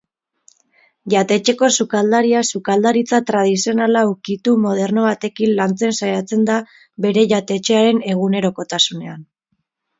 Jatetxeko sukaldaria sukaldaritza tradizionala ukitu moderno batekin lantzen saiatzen da bere jatetxearen egunerokotasunean.